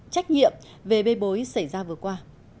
trách nhiệm về bê bối xảy ra vừa qua